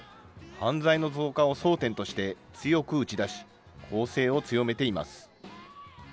犯罪の増加を争点として強く打ち出し、攻勢を強めています。